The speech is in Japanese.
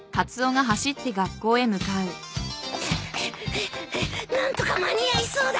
ハァハァ何とか間に合いそうだ。